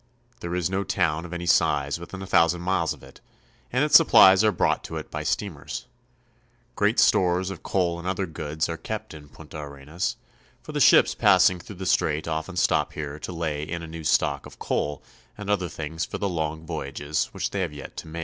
There is no town of any size within a thousand miles of it, and its supplies are brought to it by steamers. Great stores of coal and other goods 6o CHILE. are kept in Punta Arenas, for the ships passing through the strait often stop here to lay in a new stock of coal and other things for the long voyages which they have yet to make.